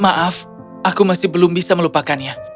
maaf aku masih belum bisa melupakannya